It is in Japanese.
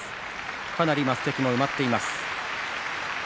かなり升席も埋まっています。